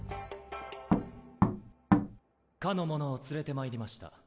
・かの者を連れてまいりました